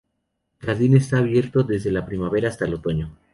El jardín está abierto desde la primavera hasta el otoño.